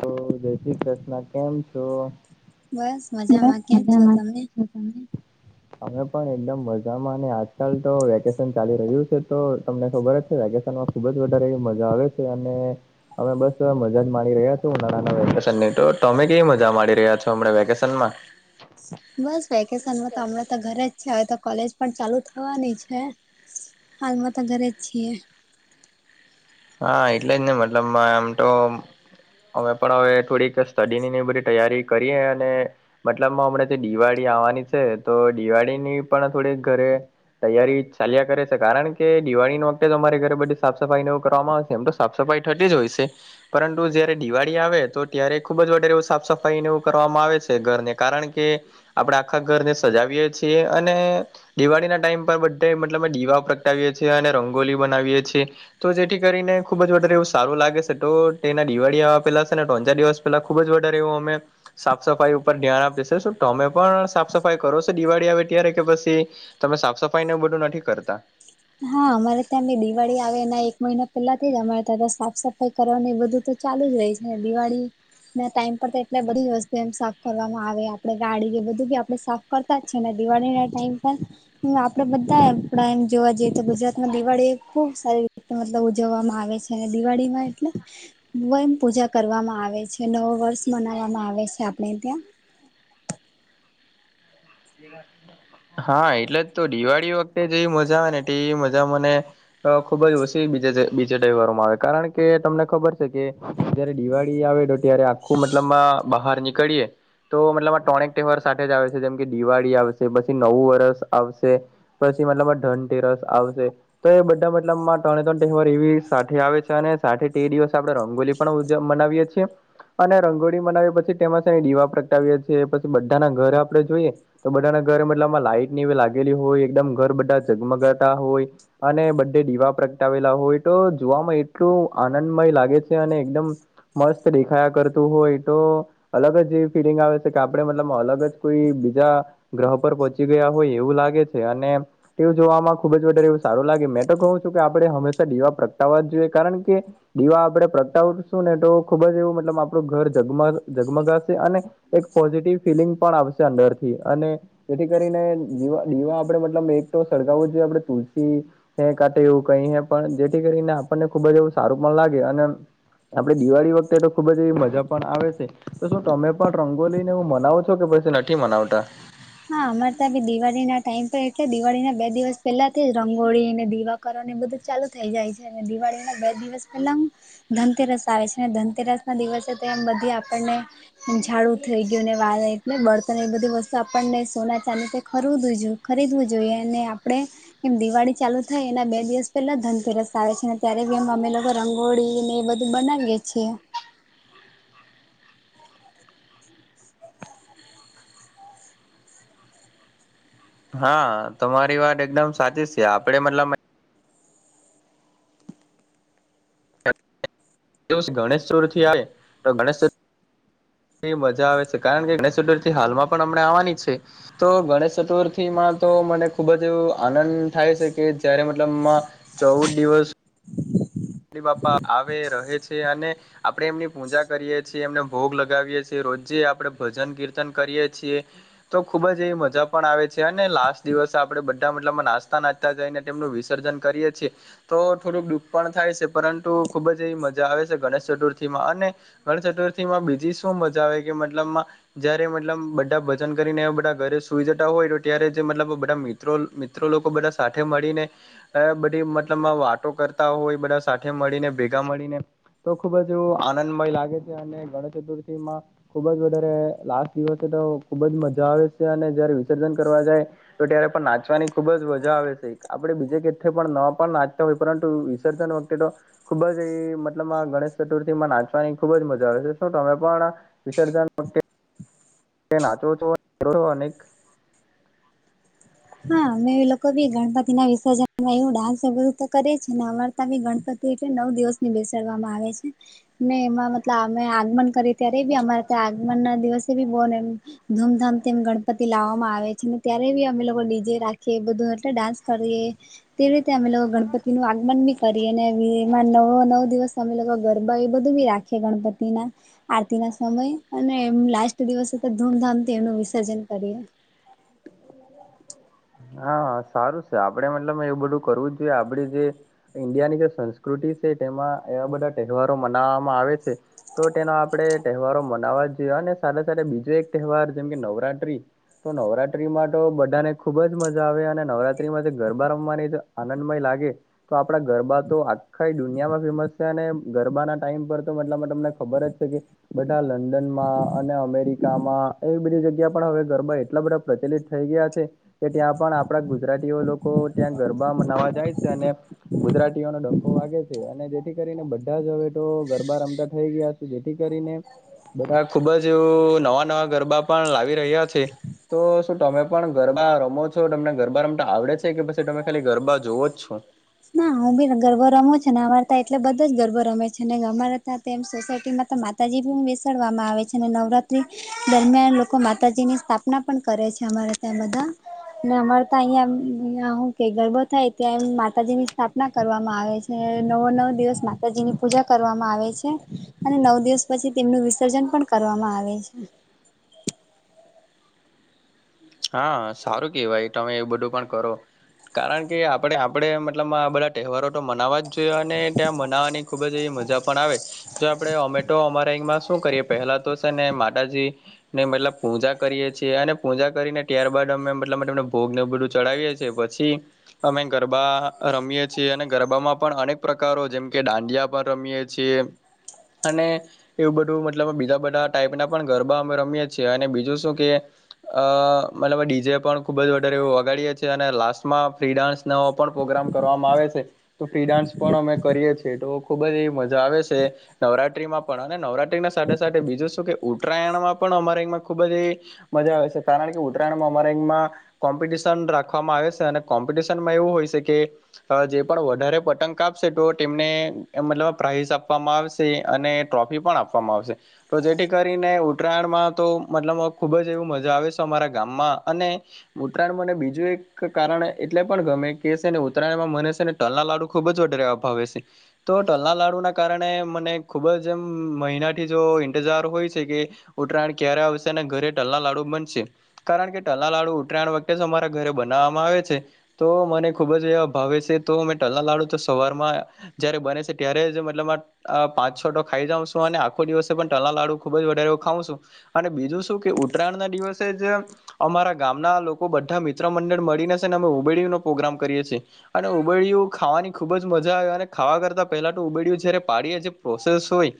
તો જય શ્રી કૃષ્ણ કેમ છો? બસ બસ મજામાં કેમ છો મજામાં છું, તમે? અમે પણ એકદમ મજામાં અને આજકાલ તો વેકેશન ચાલી રહ્યું છે તો તમને ખબર જ છે વેકેશનમા ખુબ જ વધારે એવી મજા આવે છે અને અમે બસ મ મજા માડી રહ્યા છે ઉનાળાના વેકેશનની તો. તમે કવી મજા માંડી રહ્યા છો હમડા વેકેશનમા? બસ વેકેશનમાં તો હમણા તો ઘરે જ છે. હવે તો કોલેજ પણ ચાલુ થવાની છે. હાલમાં તો ઘરે જ છીએ. હા એટલે જ ને મતલબમાં આમ તો અમે પણ હવે થોડીક સ્ટડીની ને બધી તૈયારી કરીએ અને મતલબમા હમણાં તે દિવાળી આવવાની છે, તો દિવાળીની પણ થોડીક ઘરે તૈયારી ચાલ્યા કરે છે, કારણ કે દિવાળી નુ વખતે અમારે ઘરે બધું સાફ સફાઈ નેવું કરવામાં આવશે. એમ તો સાફ સફાઈ થતી જ હોય છે. પરંતુ જ્યારે દિવાળી આવે તો ત્યારે ખૂબ જ વધારે એવું સાફ સફાઈને એવું કરવામાં આવે છે ઘરને. કારણ કે આપડે આખા ઘરને સજાવીએ છીએ અને દિવાળી ના ટાઈમ પર બધાએ મતલબ મા દીવા પ્રગટાવીએ છીએ અને રંગોલી બનાવીએ છીએ. તો જેથી કરીને ખુબ જ વધારે એવું સારું લાગે છે. તો તેના દિવાળી આવવા પેલા છ ને ત્રણ ચાર દિવસ પેલા ખુબ જ વધારે એવું અમે સાફ સફાઈ ઉપર ધ્યાન આપે છે. શું તમે પણ સાફ સફાઈ કરો છો, દિવાળી આવે ત્યારે કે પછી તમે સાફ સફાઈ ને એ બધું નથી કરતા? હા અમારે ત્યાં બી દિવાળી આવે એના એક મહિના પેલાથી જ અમારે તા ત સાફ સફાઈ કરવાનું એ બધું તો ચાલુ જ રેય છે. દિવાળી ના ટાઈમ પર એટલે બધી વસ્તુ સાફ કરવામાં આવે. આપણે ગાડી બધું આપડે સાફ કરતા જ છેને દિવાળી ના ટાઈમ પર આપડે બધા પડા એમ જોવા જઈએ. ત ગુજરાત માં દિવાળી ખુબ સારી રીતે મતલબ ઉજવવામાં આવે છે અને દિવાળીમાં એટલે વન પૂજા કરવામાં આવે છે. નવુ વર્ષ મનાવવામાં આવે છે આપણે ત્યાં. [inaudible] હા એટલે જ તો દિવાળી વખતે જેવી મજા આવે તેવી મજા મને ખુબ જ ઓછી બીજ બીજા ટેવારોમાં આવે કારણ કે તમને ખબર છે કે જયારે દિવાળી આવે તો ત્યારે આખું મતલબમાં બહાર નીકળીએ. તો મતલબ આ ટોણેક તહેવાર સાથે જ આવે છે. જેમ કે દિવાળી આવશે, પછી નવું વરષ આવશે પછી મતલબમા ધનતેરસ આવશે. તો એ બધા મતલબમાં ત્રણે ત્રણ તહેવાર એવી સાથે આવે છે, અને સાથે તે દિવસ આપણે રંગોલી પણ ઉજવ મનાવીએ છીએ. અને રંગોળી મનાવી પછી તેમાં છેને દીવા પ્રગટાવીએ છીએ પછી બધાના ઘર આપડે જોઈએ તો બધાના ઘર મતલબ માં લાઈટ ની લાગેલી હોય એકદમ ઘર બધા ઝગમગાતા હોય. અને બધે દીવા પ્રગટાવેલા હોય તો જોવામાં એટલું આનંદમય લાગે છે અને એકદમ મસ્ત દેખાયા કરતું હોય તો અલગ જ જેવી ફીલિંગ આવે છે કે આપડે મતલબ અલગ જ કોઈ બીજા ગ્રહ પર પહોંચી ગયા હોય એવું લાગે છે અને તેવું જોવામાં ખુબ જ વધારે એવું સારું લાગે મેં તો કહું છું કે આપણે હંમેશા દીવા પ્રગટાવવા જ જોઈએ કારણ કે દીવા આપડે પ્રગટાવશું ને તો ખુબ જ એવું મતલબ આપડુ ઘર જગમગ જગમગાશે અને એક પોઝિટિવ ફિલિંગ પણ આવશે અંદરથી અને જેથી કરીને જીવા ડીવા આપડે મતલબ એક તો સળગાવું જ જોઈએ આપણે તુલસી હે કાટે એવું કઈ હ પણ જેથી કરીને આપણને ખુબ જ એવું સારું પણ લાગે અને આપડે દિવાળી વખતે તો ખુબ જ એવી મજા પણ આવે છે. તો શું તમે પણ રંગોલીને એવું મનાવો છો કે પછી નથી મનાવતા? હા અમાર તાભી દિવાળી ના ટાઈમ પે એટલે દિવાળી ના બે દિવસ પહેલાથી જ અને દિવાકરણ એ બધું ચાલુ થઈ જાય છે અને દિવાળી ના બે દિવસ એટલામ ધનતેરસ આવે છે. ને ધનતેરસ ના દિવસે તો એમ બધી આપણને ઝાડું થઈ ગયું ને વા એટલે બર્તન એ બધી વસ્ત આ પણને સોના ચાંદી તે ખરુદવું જો ખરીદવું જોઈએ અને આપડે એમ દિવાળી ચાલુ થાય એના બે દિવસ પહેલા ધનતેરસ આવે છેને ત્યારે બી એમ અમે લોકો રંગોળી ને બધ બનાવીએ છીએ હા તમારી વાત એકદમ સાચી છે. આપડે મતલબ મેં એવું સે ગણેશતુર્થી આવે તો ગણેશ ચ એ મજા આવે છે કારણ કે ગણેશ ચતુર્થીથી હાલમાં પણ હમણે આવાની છે. તો ગણેશ ચતુર્થીમાં તો મને ખૂબ જ એવો આનંદ થાય છે કે જ્યારે મતલબ માં ચૌદ દિવસ ગણપતિ બાપા આવે રહે છે અને આપડે એમની પૂજા કરીએ છીએ એમને ભોગ લગાવીએ છીએ રોજે આપડે ભજન કીર્તન કરીએ છીએ તો ખુબ જ એ મજા પણ આવે છે અને લાસ્ટ દિવસ આપડે બધા મતલબ નાચતા ના ત્યાં જઈને તેમનું વિસર્જન કરીએે છીએ તો થોડુંકુ દુઃખ પણ થાય છે પરંતુ ખુબ જ એવી મજા આવે છે ગણેશ ચતુર્થીમાં અને ગણેશ ચતુર્થી માં બીજી શું મજા આવે કે મતલબમાં જ્યારે મતલબ બધા ભજન કરીને બધા ઘરે સુઈ જતા હોય તો ત્યારે મતલબ બધા મિ ત્રો મિત્રો લોકો બધા સાથે મળીને અહ બધી મતલબમાં વાતો કરતા હોય બધા સાથે મળીને ભેગા મળીને તો ખુબ જ આનંદમય લાગે છે અને ગણેશ ચતુર્થી માં ખુબ જ વધારે લાસ્ટ દિવસે તો ખુબ જ મજા આવે છે અને જ્યારે વિસર્જન કરવા જાય તો ત્યારે પણ નાચવાની ખુબ જ મજા આવે છે આપડે બીજે કથે પણ ન પણ નાચતા હોય પરંતુ વિસર્જન વખતે તો ખુબ જ એ મતલબ આ ગણેશ ચતુર્થી માં નાચવાની ખુબ જ મજા આવે છે શું તમે પણ વિસર્જન માટે તે નાચો છો છો અનેક હા, અમે એ લોકો બી ગણપતિ ના વિસર્જનમાં એવું ડાન્સ એ બધું તો કરીએ છે ને અમાર તામી ગણપતિ એટલે નવ દિવસ ની બેસાડવામાં આવે છે. ને એમાં મતલબ અમે આગમન કરીએ ત્યારે બી અમારે ત્યાં આગમન ના દિવસે બી બોન નેન ધૂમધામ તેમ ગણપતિ લાવવામાં આવે છે ને ત્યારે બી અમે લો કો ડીજે રાખીએ બધું એટલે ડાન્સ કરીએ તેવી રીતે અમે લોકો ગણપતિ નું આગમન બી કરીએ ને બી એમાં નવો નવ દિવસ અમે લોકો ગરબા એ બધું બી રાખીએ ગણપતિ ના. આરતી ના સમય અને એમ લાસ્ટ દિવસે તો ધૂમધામથી એમનું વિસર્જન કરીએ. હ હા, સારું છે આપડે મતલબ એવું બધું કરવું જ જોઈએ આપડી જે ઈન્ડિયાની જે સંસ્કૃતિ છે તેમાં એવા બધા તહેવારો મનાવામાં આવે છે તો તેનો આપડે તહેવારો મનાવા જોઈએ અને સાથે સાથે બીજો એક તહેવાર જેમ કે નવરાત્રી તો નવરાત ત્રીમાં તો બધાને ખુબ જ મજા આવે અને નવરાત્રીમાં જે ગરબા રમવાની આનંદમય લાગે તો આપડા ગરબા તો આખા દુનિયામાં ફેમસ છે અને ગરબાના ટાઈમ પર તો મટલા તમને ખબર જ છે કે બધા લંડન માં અને અમેરિકામાં એ બધી જગ્યા પણ હવે ગરબા એટલા બધા પ્રચલિત થઈ ગયા છે. કે ત્યાં પણ આપડા ગુજરાતીઓ લોકો ત્યાં ગરબા મનાવા જાય છે અને ગુજરાતીઓનો ડમ્ફો વાગે છે અને જેથી કરીને બધા જ હવે તો ગરબા રમતા થઈ ગયા છે. જેથી કરીને બધા ખુબ જ એવું નવા નવા ગરબા પણ લાવી રહ્યા છે. તો શું તમે પણ ગરબા રમો છો, તમને ગરબા રમતા આવડે છે કે પછી તમે ખાલી ગરબા જોવો જ છો? ના હું બી ગરબા રમું જ ને અમાર તા એટલે બધા જ ગરબો રમે છે ને અમારે તા તેમ સોસાયટીમાં તો માતાજી બી બેસાડવામાં આવે છે અને નવરાત્રિ દરમિયાન લોકો માતાજીની સ્થાપના પણ કરે છે અમારે ત્યાં બધા. ને અમારે તા અહીંયા હું કે ગરબો થાય ત્યાં એમ માતાજીની સ્થાપના કરવામાં આવે છે, નવો નવ દિવસ માતાજીની પૂજા કરવામાં આવે છે. અને નવ પછી તેમનું વિસર્જન પણ કરવામાં આવે છે. હા સારું કેવાય તમે એ બધું પણ કરો. કારણ કે આપણે આપણે મતલબ આ બધા તહેવારો તો મનાવવા જ જોઈએ અને ત્યાં મનાવવાની ખૂબ જ એવી મજા પણ આવે. જો આપડે ઓમેટો અમારામાં શું કરીએ પેહલા તો છે ને માતાજી ને મતલબ પૂજા કરીએ છીએ અને પૂજા કરીને ત્યારબાદ અમે મતલબને ભોગ ન બધું ચડાવીએ છીએ પછી અમે ગરબા રમીએ છીએ અને ગરબામાં પણ અનેક પ્રકારો જેમ કે દાંડિયા પણ રમીએે જે અને એવું બધું મતલબ બીજા બધા ટાઈપ ના પણ ગરબા અમે રમીએ છીએ અને બીજું શું કે અ મતલબ ડી જે પણ ખૂબ જ વધારે વારે એવું વગાડીએ છીએ અને લાસ્ટમાં ફ્રી ડાન્સ નવો પણ પ્રોગ્રામ કરવામાં આવે છે. તો ફ્રી ડાન્સ પણ અમે કરીએ છીએ તો ખુબ જ એવી મજા આવે છે. નવરાત્રીમાં પણ અને નવરાત્રીને સાથે સાથે બીજું શું કે ઉત્તરાયણમાં પણ અમારે એમાં ખૂબ જ એવી મજા આવે છે, કારણ કે ઉત્તરાયણમાં અમારે લાઈનમાં કોમ્પિટિશન રાખવામાં આવે છે અને કોમ્પિટિશનમાં એવું હોય છે કે હવે જે પણ વધારે પતંગ આપશે તો તેમને મતલબ પ્રાાઈઝ આપવામાં આવશે અને ટ્રોફી પણ આપવામાં આવશે તો જેથી કરીને ઉત્તરાયણમાં તો મતલબ આમ ખુબ જ એવું મજા આવે છે અમારા ગામમાં અને ઉત્તરાયણ મને બીજું એક કારણ એટલે પણ ગમે કે છે ને ઉત્તરાયણમાં મને છે ને તલના લાડુ ખુબ જ વધારે ભાવે છે. તો તલના લાડુના કારણે મને ખૂબ એમ મહિનાથી જો ઇંતજાર હોય છે કે ઉત્તરાયણ ક્યારે આવશે અને ઘરે ઢલના લાડુ બનશે. કારણ કે ટલના લાડુ ઉતરાયણ વખતે અમારા ઘરે બનાવવામાં આવે છે. તો મને ખુબ જ એવા ભાવે છે તો મેં ટલના લાડુ તો સવારમાં જયારે બને છે ત્યારે જ મતલબ આ આ પાંચ છટો ખાઈ જાઉં છું અને આખો દિવસે પણ તલા લાડુ ખુબ જ વધારે એવું ખાવં છું. અને બીજું શું કે ઉત્તરાયણ ના દિવસ જે અમારા ગામના લોકો બધા મિત્ર મંડળ મળીને છેને અમે ઉબેડીનો પ્રોગ્રામ કરીએ છીએ. અને ઉંબાડિયું ખાવાની ખૂબ જ મજા આવે અને ખાવા કરતાં પહેલા તો ઉબાડ્યું જયારે પાડીએ જે પ્રોસેસ હોય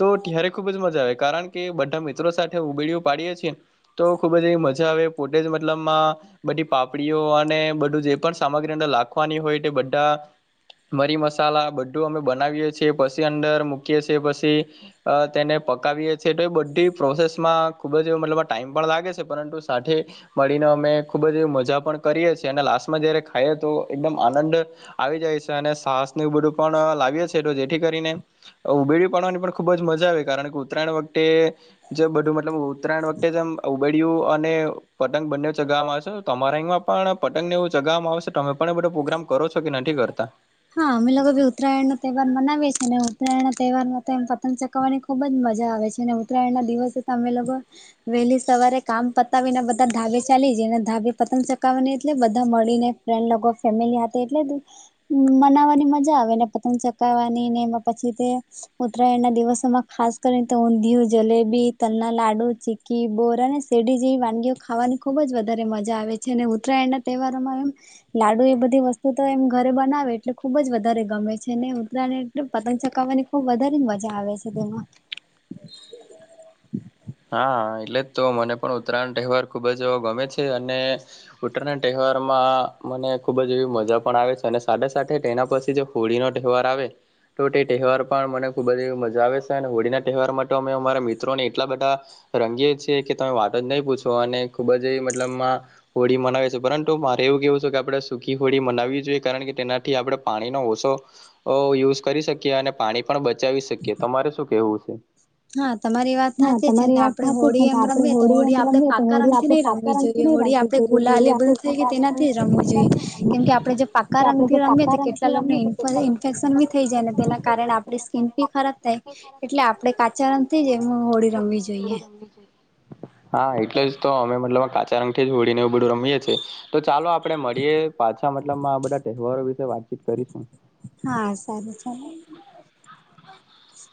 તો ત્યારે ખુબ જ મજા આવે કારણ કે બધા મિત્રો સાથે ઉબેડીયુ પાડીએ છીએ. તો ખૂબ જ એવી મજા આવે પોતે જ મતલબમાં બધી પાપડીઓ અને બધું જે પણ સામગ્રી અંદર લખવાની હોય તે બધા મરી મસાલા બધું અમે બનાવીએ છીએ પછી અંદર મૂકીએ છીએ પછી અ તેને પકાવીએે છીએ તો એ બધી પ્રોસેસ માં ખુબ જ મતલબમાં ટાઈમ પણ લાગે છે, પરંતુ સાથે મળીને અમે ખૂબ જ મજા પણ કરીએ છીએ અને લાસ્ટમાં જયારે ખાઈએ તો એકદમ આનંદ જ આવી જાય છે અને છાશ ને બધું પણ લાવીએ છે, તો જેથી કરીને ઉબડયું પાડવાની પણ ખુબ જ મજા આવે, કારણ કે ઉત્તરાયણ વતે એ જે બધું મતલબ ઉત્તરાયણ વખતે જેમ ઉબેડ્યું અને પતંગ બંને ચગાવવામાં આવશે તમારા અહીંમાં પણ પતંગને એવું જગામાં આવશે તમે આપડે બધો પ્રોગ્રામ કરો છો કે નથી કરતા? હા, અમે લોકો ઉતરાયણનો તહેવાર મનાવે છીએ ને ઉતયણના તહેવારમાં પતંગ ચગ ગાવવાની ખુબ જ મજા આવે છે અને ઉત્તરાયણના દિવસે તમે લોકો વહેલી સવારે કામ પતાવીને બધા ધાબે ચાલી જાયને ધાબે પતંગ ચગાવવાની એટલે બધા મળીને. ફ્રેન્ડ લોકો ફેમિલી સાથે એટલે કે મનાવવાની મજા આવેને પતંગ ચગાવવાની ને એમાં પછી તે ઉત્તરાયણ ના દિવસોમાં ખાસ કરીને તો ઊંધિયું, જલેબી, તલના લાડુ ચી કી બોર અને શેરડી જેવી વાનગીઓ ખાવાની ખૂબ જ વધારે મજા આવે છે અને ઉત્તરાયણના તહેવારોમાં એમ લાડુ એ બધી વસ્તુ તો એમ ઘર ઘરે બનાવે એટલે ખુબ જ વધારે ગમે છે ને ઉત્તરાયણ એટલે પતંગ ચગાવવાની ખુબ જ વધારે મજા આવે છે તેમાં અ [unintelligible] હા, એટલે જ તો મને પણ ઉત્તરાયણ તહેવાર ખુબ જ ગમે છે અને ઉત્તરાયણના તહેવારમાં મને ખૂબ જ એવી મજા પણ આવે છે અને સાથે સાથે એના પછી જો હોળીનો તહેવાર આવે. તો તે તહેવાર પણ મને ખૂબ જ એવી મજા આવે છે અને હોળીના તહેવાર માટે તો અમે અમારા મિત્રોને એટલા બધા રંગીએ છે કે તમે વાતો જ નહીં પૂછો અને ખૂબ જ એવી મતલબમાં હોળી મનાવે છે, પરંતુ મારે એવું કેવું છે કે આપણે સુકી હોળી મનાવી જોઈએ કારણ કે તેનાથી આપણે પાણીનો ઓછો ઓ યુઝ કરી શકીએ અને પાણી પણ બચાવી શકીએ, તમારે શું કેવું છે? હા તમારી વાત હાચી છે ને આપણેે હોળી એમ રમવીએ તો હોળી આપણે પાકા રંગથી નઈ રમવી જોઈએ હોળી આપણે ગુલાલ એ બધું તેનાથી રમવું જોઈએ કેમ કે આપડે જે પાકા રંગથી રમીએ તો કેટલાક ને પછી ઇન્ફેક્શન બી થઈ જાય ને તેના કારણે આપણી સ્કીન બી ખરાબ થાય, એટલે આપણે કા ચા રંગથી જ એમ હોળી રમવી જોઈએ. બીજે. હા એટલે જ તો અમે મતલબમાં કાચા રંગથી જ હોળીને એવું બધું રમીએ છીએ, તો ચાલો આ આપડે મળીએ પાછા મતલબમાં આ બધા તહેવારો વિશે વાતચીત કરીશું. હા, સારું ચાલ. [inaudible]